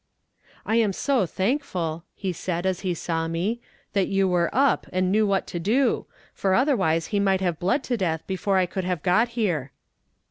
"'I am so thankful,' said he, as he saw me, 'that you were up, and knew what to do, for otherwise he must have bled to death before I could have got here.'